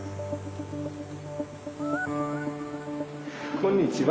こんにちは。